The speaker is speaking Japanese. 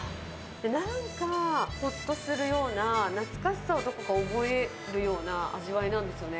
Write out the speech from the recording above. なんかほっとするような、懐かしさをどこか覚えるような味わいなんですよね。